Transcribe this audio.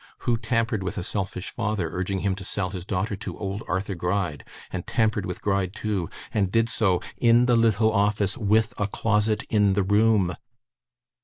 Who tampered with a selfish father, urging him to sell his daughter to old Arthur Gride, and tampered with Gride too, and did so in the little office, WITH A CLOSET IN THE ROOM?